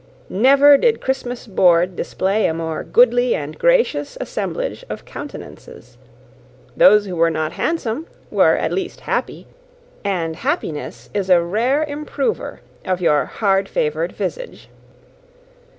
Never did Christmas board display a more goodly and gracious assemblage of countenances; those who were not handsome were, at least, happy; and happiness is a rare improver of your hard favoured visage.